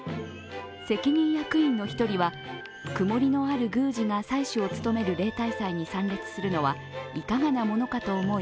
責任役員の１人は、曇りのある宮司が斎主を務める例大祭に参列するのはいかがなものかと思い